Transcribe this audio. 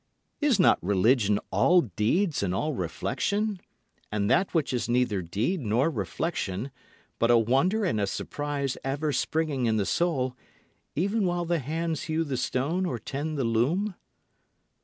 Is not religion all deeds and all reflection, And that which is neither deed nor reflection, but a wonder and a surprise ever springing in the soul, even while the hands hew the stone or tend the loom?